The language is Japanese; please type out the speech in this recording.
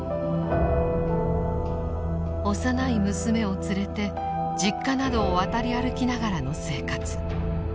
幼い娘を連れて実家などを渡り歩きながらの生活。